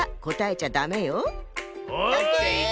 オッケー！